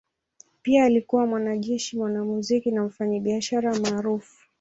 Pia alikuwa mwanajeshi, mwanamuziki na mfanyabiashara maarufu.